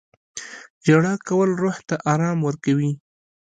• ژړا کول روح ته ارام ورکوي.